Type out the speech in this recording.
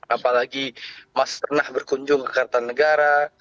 apalagi mas pernah berkunjung ke kartanegara